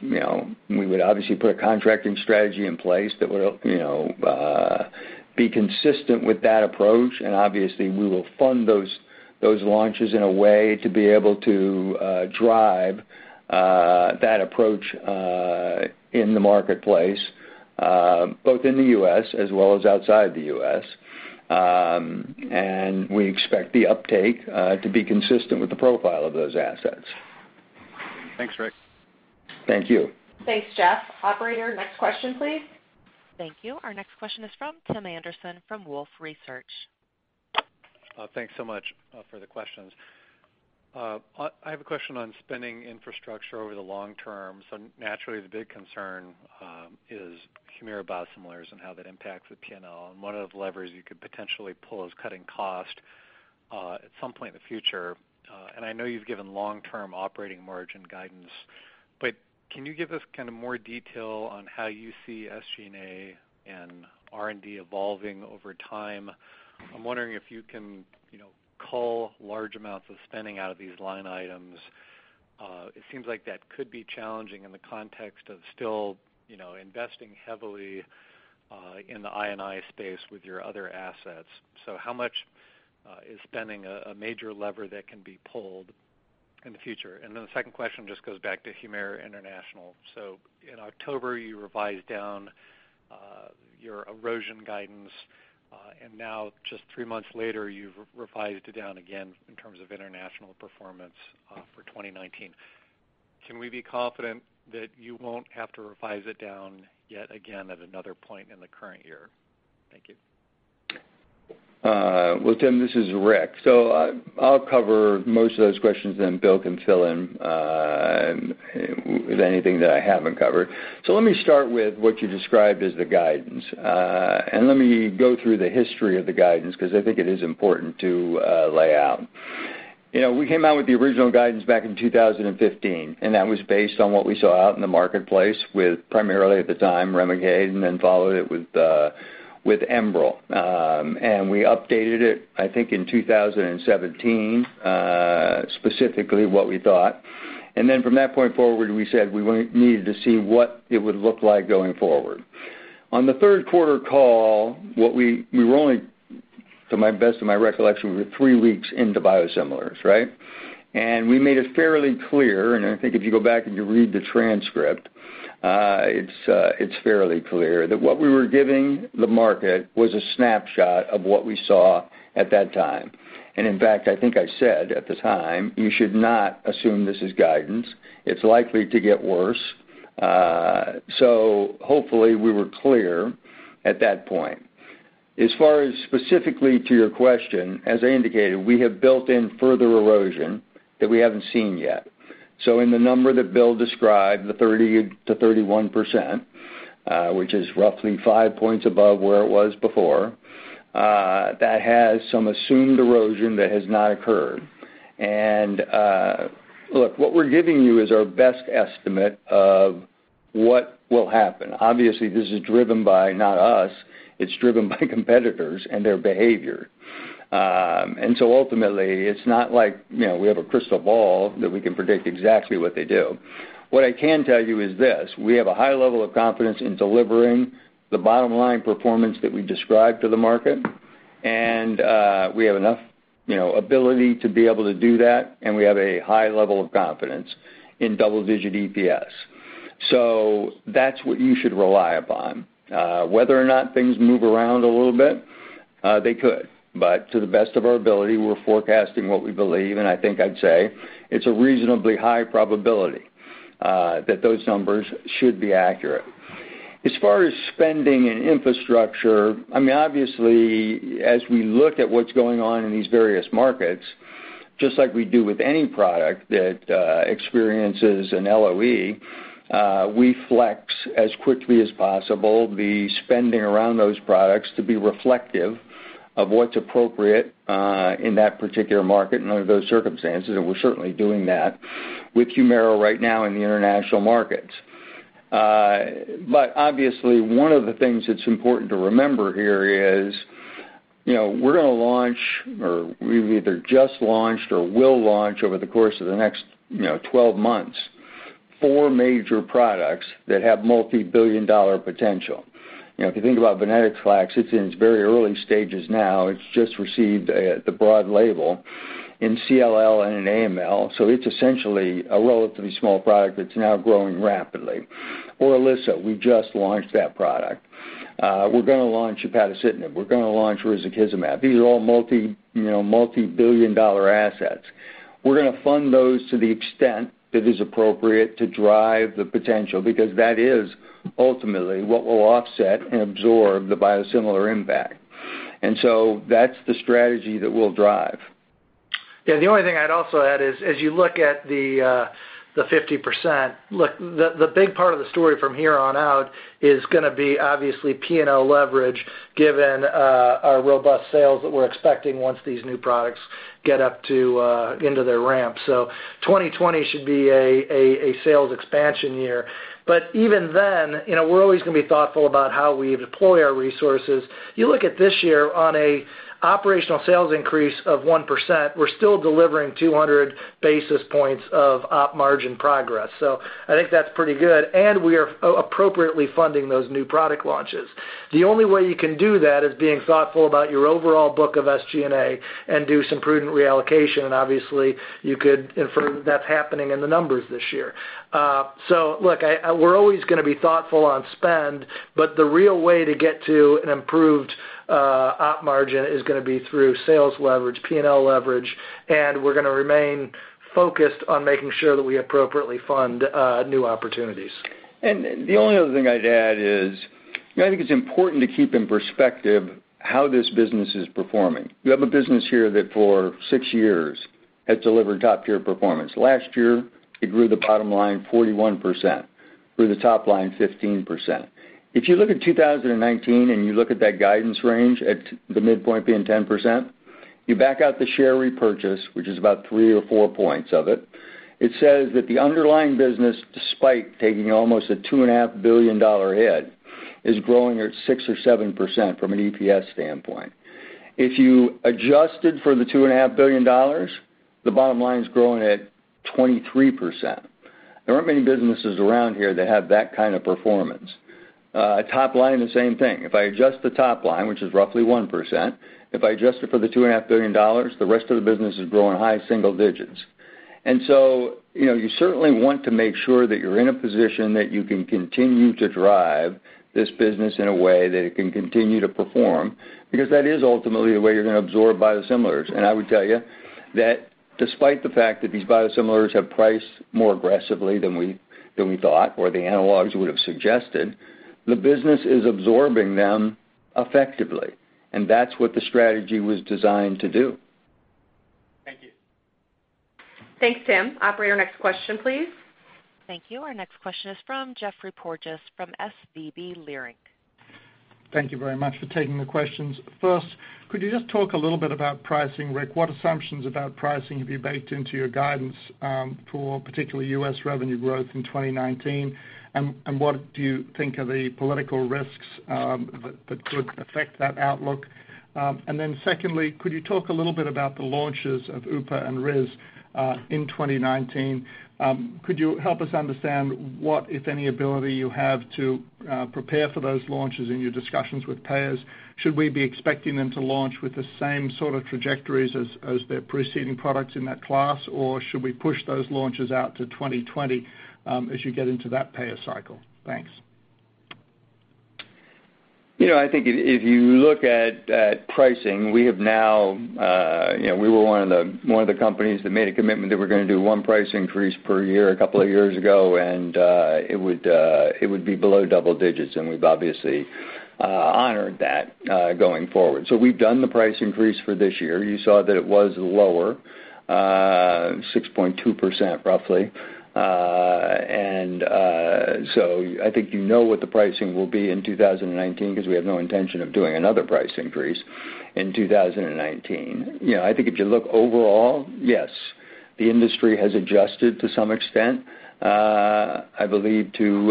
We would obviously put a contracting strategy in place that would be consistent with that approach. Obviously, we will fund those launches in a way to be able to drive that approach, in the marketplace, both in the U.S. as well as outside the U.S. We expect the uptake to be consistent with the profile of those assets. Thanks, Rick. Thank you. Thanks, Geoff. Operator, next question, please. Thank you. Our next question is from Tim Anderson from Wolfe Research. Thanks so much for the questions. I have a question on spending infrastructure over the long term. Naturally, the big concern is Humira biosimilars and how that impacts the P&L and what are the levers you could potentially pull as cutting cost, at some point in the future. I know you've given long-term operating margin guidance, but can you give us kind of more detail on how you see SG&A and R&D evolving over time? I'm wondering if you can cull large amounts of spending out of these line items. It seems like that could be challenging in the context of still investing heavily, in the I&I space with your other assets. How much is spending a major lever that can be pulled in the future? Then the second question just goes back to Humira International. In October, you revised down your erosion guidance, and now just three months later, you've revised it down again in terms of international performance for 2019. Can we be confident that you won't have to revise it down yet again at another point in the current year? Thank you. Well, Tim, this is Rick. I'll cover most of those questions, Will can fill in with anything that I haven't covered. Let me start with what you described as the guidance. Let me go through the history of the guidance, because I think it is important to lay out. We came out with the original guidance back in 2015, and that was based on what we saw out in the marketplace with primarily at the time, Remicade, and then followed it with ENBREL. We updated it, I think in 2017, specifically what we thought. From that point forward, we said we needed to see what it would look like going forward. On the third quarter call, we were only, to my best of my recollection, we were three weeks into biosimilars, right? We made it fairly clear, and I think if you go back and you read the transcript, it's fairly clear that what we were giving the market was a snapshot of what we saw at that time. In fact, I think I said at the time, "You should not assume this is guidance. It's likely to get worse." Hopefully we were clear at that point. As far as specifically to your question, as I indicated, we have built in further erosion that we haven't seen yet. In the number that Will described, the 30%-31%, which is roughly five points above where it was before, that has some assumed erosion that has not occurred. Look, what we're giving you is our best estimate of what will happen. Obviously, this is driven by not us, it's driven by competitors and their behavior. Ultimately, it's not like we have a crystal ball that we can predict exactly what they do. What I can tell you is this: we have a high level of confidence in delivering the bottom line performance that we described to the market. We have enough ability to be able to do that, and we have a high level of confidence in double-digit EPS. That's what you should rely upon. Whether or not things move around a little bit, they could, but to the best of our ability, we're forecasting what we believe, and I think I'd say it's a reasonably high probability that those numbers should be accurate. As far as spending and infrastructure, obviously, as we look at what's going on in these various markets, just like we do with any product that experiences an LOE, we flex as quickly as possible the spending around those products to be reflective of what's appropriate in that particular market and under those circumstances, and we're certainly doing that with Humira right now in the international markets. Obviously, one of the things that's important to remember here is, we're going to launch, or we've either just launched or will launch over the course of the next 12 months, four major products that have multi-billion dollar potential. If you think about VENCLEXTA, it's in its very early stages now. It's just received the broad label in CLL and in AML. So it's essentially a relatively small product that's now growing rapidly. ORILISSA, we just launched that product. We're going to launch upadacitinib, we're going to launch risankizumab. These are all multi-billion dollar assets. We're going to fund those to the extent that is appropriate to drive the potential, because that is ultimately what will offset and absorb the biosimilar impact. That's the strategy that we'll drive. Yeah. The only thing I'd also add is as you look at the 50%, look, the big part of the story from here on out is going to be obviously P&L leverage, given our robust sales that we're expecting once these new products get up into their ramp. 2020 should be a sales expansion year. Even then, we're always going to be thoughtful about how we deploy our resources. You look at this year on a operational sales increase of 1%, we're still delivering 200 basis points of op margin progress. I think that's pretty good, and we are appropriately funding those new product launches. The only way you can do that is being thoughtful about your overall book of SG&A and do some prudent reallocation. Obviously, you could infer that's happening in the numbers this year. Look, we're always going to be thoughtful on spend, but the real way to get to an improved op margin is going to be through sales leverage, P&L leverage, and we're going to remain focused on making sure that we appropriately fund new opportunities. The only other thing I'd add is, I think it's important to keep in perspective how this business is performing. You have a business here that for six years had delivered top-tier performance. Last year, it grew the bottom line 41%, grew the top line 15%. If you look at 2019 and you look at that guidance range at the midpoint being 10%, you back out the share repurchase, which is about three or four points of it says that the underlying business, despite taking almost a $2.5 billion hit, is growing at 6% or 7% from an EPS standpoint. If you adjusted for the $2.5 billion, the bottom line's growing at 23%. There aren't many businesses around here that have that kind of performance. Top line, the same thing. If I adjust the top line, which is roughly 1%, if I adjust it for the $2.5 billion, the rest of the business is growing high single digits. You certainly want to make sure that you're in a position that you can continue to drive this business in a way that it can continue to perform, because that is ultimately the way you're going to absorb biosimilars. I would tell you that despite the fact that these biosimilars have priced more aggressively than we thought or the analogs would've suggested, the business is absorbing them effectively, and that's what the strategy was designed to do. Thank you. Thanks, Tim. Operator, next question, please. Thank you. Our next question is from Geoffrey Porges from SVB Leerink. Thank you very much for taking the questions. First, could you just talk a little bit about pricing, Rick? What assumptions about pricing have you baked into your guidance for particularly U.S. revenue growth in 2019, and what do you think are the political risks that could affect that outlook? Secondly, could you talk a little bit about the launches of UPA and Riza in 2019? Could you help us understand what, if any, ability you have to prepare for those launches in your discussions with payers? Should we be expecting them to launch with the same sort of trajectories as their preceding products in that class, or should we push those launches out to 2020 as you get into that payer cycle? Thanks. I think if you look at pricing, we were one of the companies that made a commitment that we're going to do one price increase per year a couple of years ago, and it would be below double digits, and we've obviously honored that going forward. We've done the price increase for this year. You saw that it was lower, 6.2% roughly. I think you know what the pricing will be in 2019 because we have no intention of doing another price increase in 2019. I think if you look overall, yes, the industry has adjusted to some extent, I believe to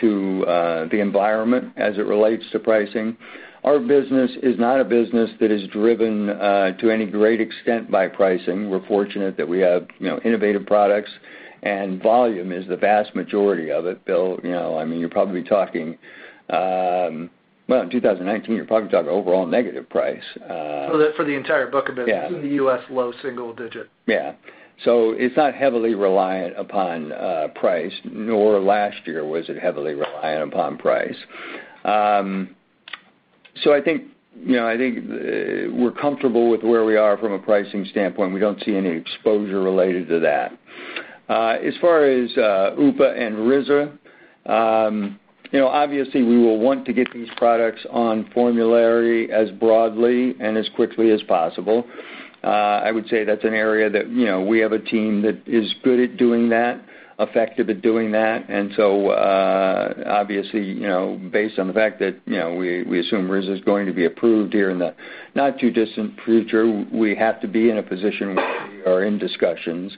the environment as it relates to pricing. Our business is not a business that is driven to any great extent by pricing. We're fortunate that we have innovative products, volume is the vast majority of it, Will. In 2019, you're probably talking overall negative price. For the entire book of business in the U.S., low single digit. Yeah. It's not heavily reliant upon price, nor last year was it heavily reliant upon price. I think we're comfortable with where we are from a pricing standpoint. We don't see any exposure related to that. As far as UPA and Riza, obviously we will want to get these products on formulary as broadly and as quickly as possible. I would say that's an area that we have a team that is good at doing that, effective at doing that. Obviously, based on the fact that we assume Riza's going to be approved here in the not too distant future, we have to be in a position where we are in discussions.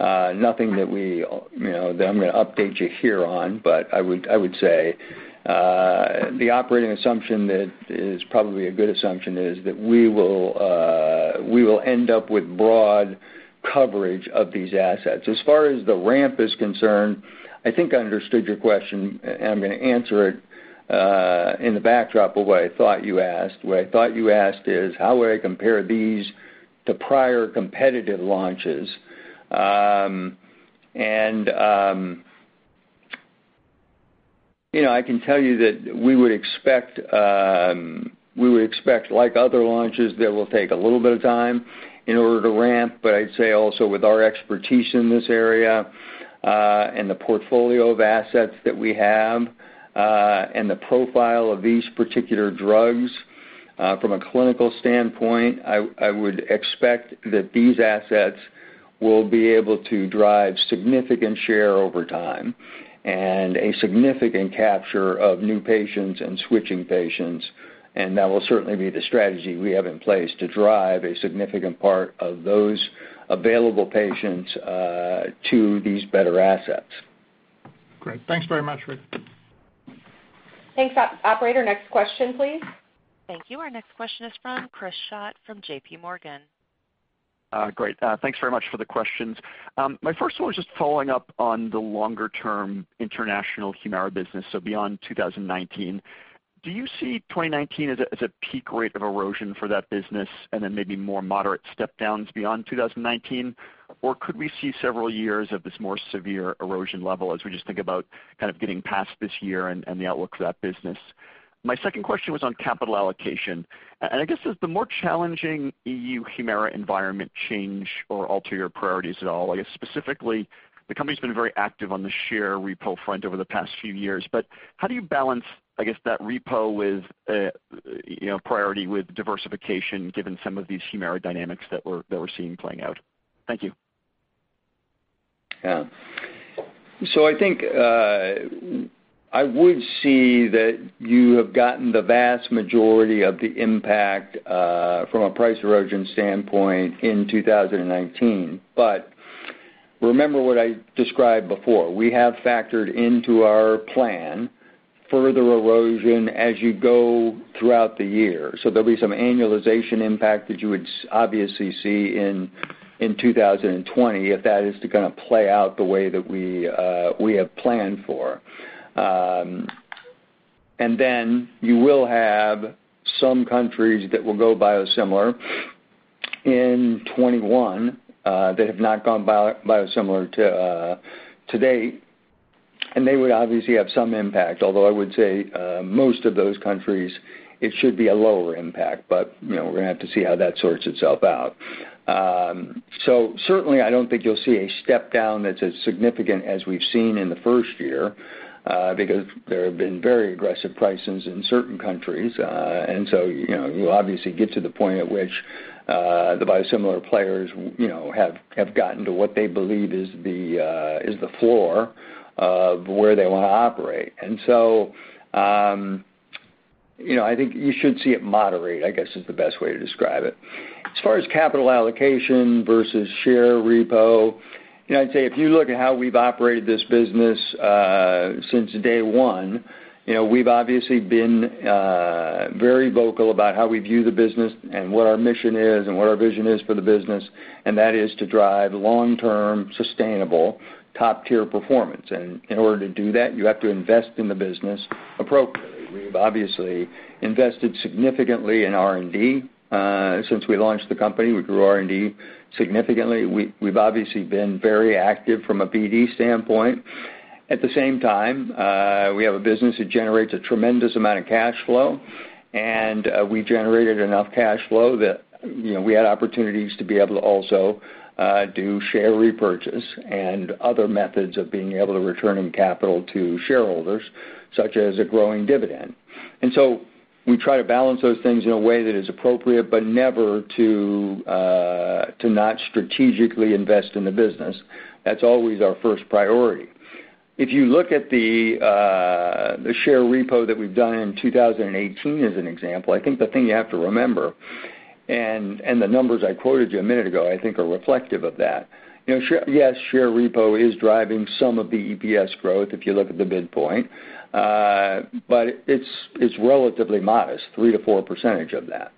Nothing that I'm going to update you here on, but I would say the operating assumption that is probably a good assumption is that we will end up with broad coverage of these assets. As far as the ramp is concerned, I think I understood your question, and I'm going to answer it in the backdrop of what I thought you asked. What I thought you asked is how would I compare these to the prior competitive launches. I can tell you that we would expect, like other launches, that will take a little bit of time in order to ramp, but I'd say also with our expertise in this area, and the portfolio of assets that we have, and the profile of these particular drugs from a clinical standpoint, I would expect that these assets will be able to drive significant share over time and a significant capture of new patients and switching patients, and that will certainly be the strategy we have in place to drive a significant part of those available patients to these better assets. Great. Thanks very much, Rick. Thanks. Operator, next question, please. Thank you. Our next question is from Chris Schott from JPMorgan. Great. Thanks very much for the questions. My first one was just following up on the longer-term international Humira business, so beyond 2019. Do you see 2019 as a peak rate of erosion for that business and then maybe more moderate step downs beyond 2019? Or could we see several years of this more severe erosion level as we just think about kind of getting past this year and the outlook for that business? My second question was on capital allocation. I guess, does the more challenging EU Humira environment change or alter your priorities at all? I guess specifically, the company's been very active on the share repo front over the past few years, how do you balance, I guess, that repo priority with diversification given some of these Humira dynamics that we're seeing playing out? Thank you. I think, I would see that you have gotten the vast majority of the impact, from a price erosion standpoint, in 2019. Remember what I described before. We have factored into our plan further erosion as you go throughout the year. There'll be some annualization impact that you would obviously see in 2020 if that is to kind of play out the way that we have planned for. Then you will have some countries that will go biosimilar in 2021, that have not gone biosimilar to date, and they would obviously have some impact, although I would say, most of those countries, it should be a lower impact. We're going to have to see how that sorts itself out. Certainly, I don't think you'll see a step down that's as significant as we've seen in the first year, because there have been very aggressive prices in certain countries. You obviously get to the point at which the biosimilar players have gotten to what they believe is the floor of where they want to operate. I think you should see it moderate, I guess, is the best way to describe it. As far as capital allocation versus share repo, I'd say if you look at how we've operated this business since day one, we've obviously been very vocal about how we view the business and what our mission is and what our vision is for the business, and that is to drive long-term, sustainable, top-tier performance. In order to do that, you have to invest in the business appropriately. We've obviously invested significantly in R&D since we launched the company. We grew R&D significantly. We've obviously been very active from a BD standpoint. At the same time, we have a business that generates a tremendous amount of cash flow, and we generated enough cash flow that we had opportunities to be able to also do share repurchase and other methods of being able to return capital to shareholders, such as a growing dividend. We try to balance those things in a way that is appropriate, but never to not strategically invest in the business. That's always our first priority. If you look at the share repo that we've done in 2018 as an example, I think the thing you have to remember, and the numbers I quoted you a minute ago I think are reflective of that. Share repo is driving some of the EPS growth if you look at the midpoint, but it's relatively modest, 3%-4% of that.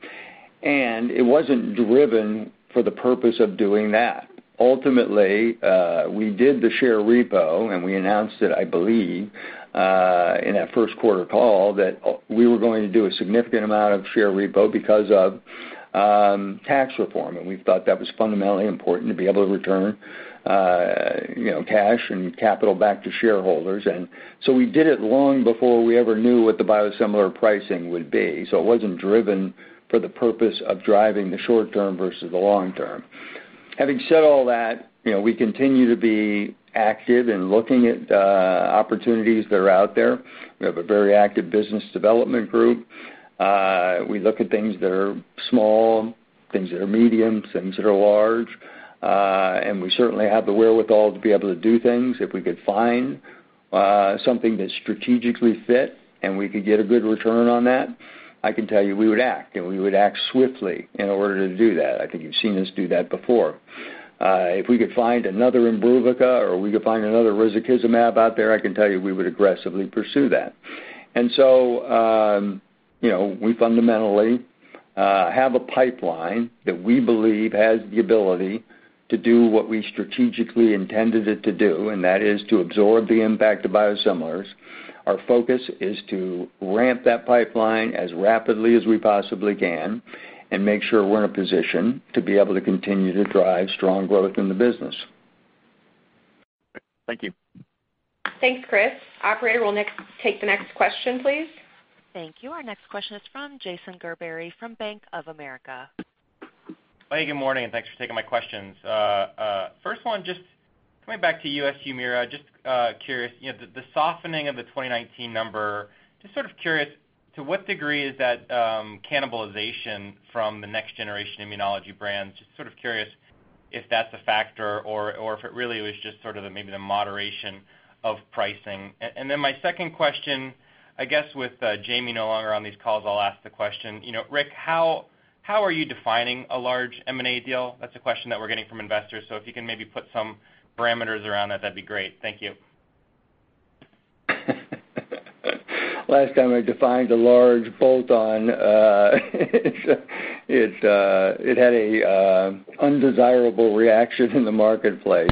It wasn't driven for the purpose of doing that. Ultimately, we did the share repo, and we announced it, I believe, in that first quarter call that we were going to do a significant amount of share repo because of tax reform, and we thought that was fundamentally important to be able to return cash and capital back to shareholders. We did it long before we ever knew what the biosimilar pricing would be. It wasn't driven for the purpose of driving the short term versus the long term. Having said all that, we continue to be active in looking at opportunities that are out there. We have a very active business development group. We look at things that are small, things that are medium, things that are large. We certainly have the wherewithal to be able to do things if we could find something that strategically fit, and we could get a good return on that, I can tell you we would act, and we would act swiftly in order to do that. I think you've seen us do that before. If we could find another Imbruvica or we could find another risankizumab out there, I can tell you we would aggressively pursue that. We fundamentally have a pipeline that we believe has the ability to do what we strategically intended it to do, and that is to absorb the impact of biosimilars. Our focus is to ramp that pipeline as rapidly as we possibly can and make sure we're in a position to be able to continue to drive strong growth in the business. Thank you. Thanks, Chris. Operator, we'll take the next question, please. Thank you. Our next question is from Jason Gerberry from Bank of America. Good morning, thanks for taking my questions. First one, just coming back to U.S. Humira, just curious, the softening of the 2019 number, just sort of curious to what degree is that cannibalization from the next generation immunology brands? Just sort of curious if that's a factor or if it really was just sort of maybe the moderation of pricing. My second question, I guess with Jami no longer on these calls, I'll ask the question, Rick, how are you defining a large M&A deal? That's a question that we're getting from investors, so if you can maybe put some parameters around that'd be great. Thank you. Last time I defined a large bolt-on it had a undesirable reaction in the marketplace.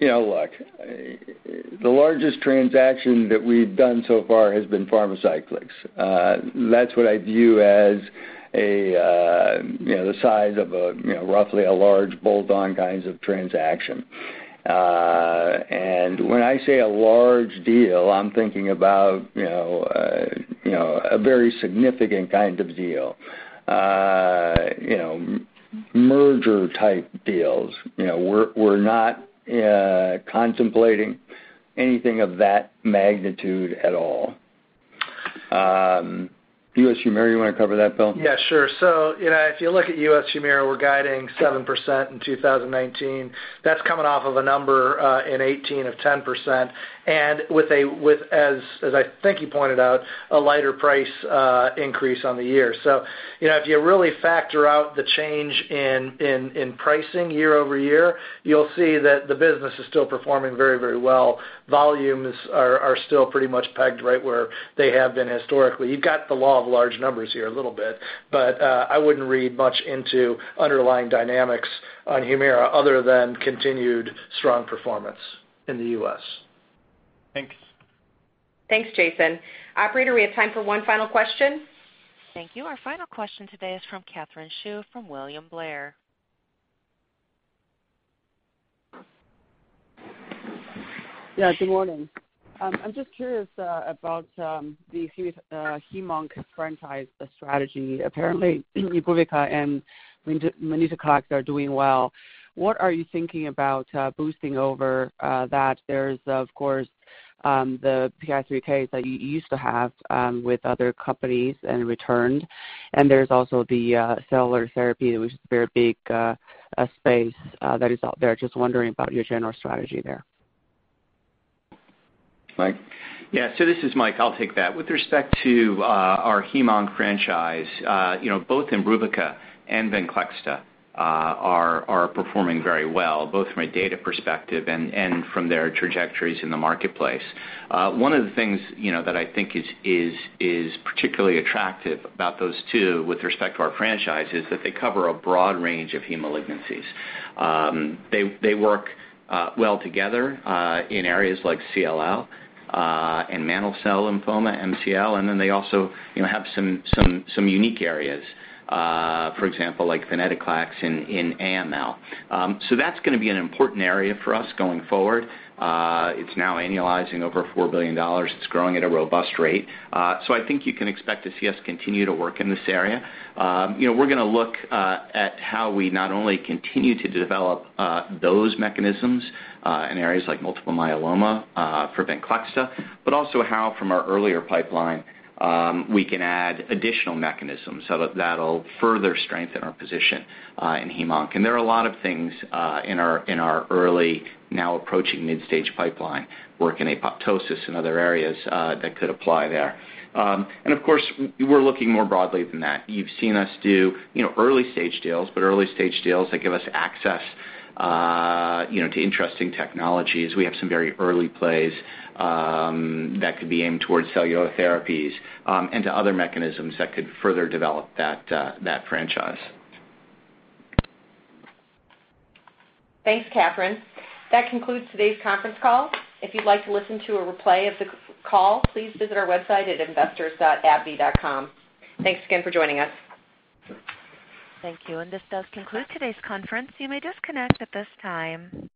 Look, the largest transaction that we've done so far has been Pharmacyclics. That's what I view as the size of roughly a large bolt-on kinds of transaction. When I say a large deal, I'm thinking about a very significant kind of deal. Merger-type deals. We're not contemplating anything of that magnitude at all. U.S. Humira, you want to cover that, Will? Yeah, sure. If you look at U.S. Humira, we're guiding 7% in 2019. That's coming off of a number in 2018 of 10%, and as I think you pointed out, a lighter price increase on the year. If you really factor out the change in pricing year-over-year, you'll see that the business is still performing very well. Volumes are still pretty much pegged right where they have been historically. You've got the law of large numbers here a little bit, but I wouldn't read much into underlying dynamics on Humira other than continued strong performance in the U.S. Thanks. Thanks, Jason. Operator, we have time for one final question. Thank you. Our final question today is from Katherine Xu from William Blair. Yeah, good morning. I'm just curious about the Hem-Onc franchise strategy. Apparently, Imbruvica and VENCLEXTA are doing well. What are you thinking about boosting over that? There's, of course, the PI3K that you used to have with other companies and returned. There's also the cellular therapy, which is a very big space that is out there. Just wondering about your general strategy there. Mike? Yeah. This is Mike, I'll take that. With respect to our Hem-Onc franchise, both Imbruvica and VENCLEXTA are performing very well, both from a data perspective and from their trajectories in the marketplace. One of the things that I think is particularly attractive about those two with respect to our franchise is that they cover a broad range of heme malignancies. They work well together in areas like CLL and mantle cell lymphoma, MCL. They also have some unique areas. For example, like venetoclax in AML. That's going to be an important area for us going forward. It's now annualizing over $4 billion. It's growing at a robust rate. I think you can expect to see us continue to work in this area. We're going to look at how we not only continue to develop those mechanisms in areas like multiple myeloma for VENCLEXTA, but also how from our earlier pipeline, we can add additional mechanisms so that that'll further strengthen our position in Hem-Onc. There are a lot of things in our early, now approaching mid-stage pipeline, work in apoptosis and other areas that could apply there. Of course, we're looking more broadly than that. You've seen us do early stage deals, but early stage deals that give us access to interesting technologies. We have some very early plays that could be aimed towards cellular therapies and to other mechanisms that could further develop that franchise. Thanks, Katherine. That concludes today's conference call. If you'd like to listen to a replay of the call, please visit our website at investors.abbvie.com. Thanks again for joining us. Thank you. This does conclude today's conference. You may disconnect at this time.